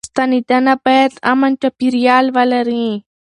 ستنېدنه بايد امن چاپيريال ولري.